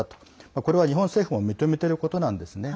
これは日本政府も認めていることなんですね。